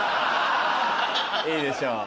いいでしょう。